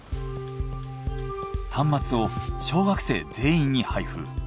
端末を小学生全員に配布。